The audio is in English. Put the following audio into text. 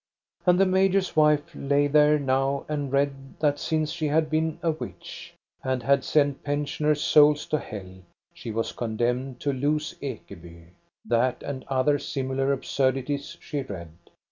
And the major's wife lay there now and read that since she had been a witch, and had sent pensioners' souls to hell, she was condemned to lose Ekeby. That and other similar absurdities she read.